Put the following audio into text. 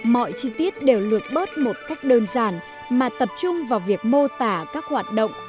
mọi chi tiết đều lược bớt một cách đơn giản mà tập trung vào việc mô tả các hoạt động